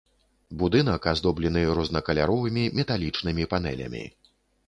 Будынак аздоблены рознакаляровымі металічнымі панэлямі.